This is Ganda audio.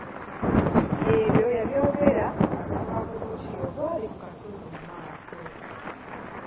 Ebyo yabyogera asonga ku muti ogwali ku kasozi mu maaso.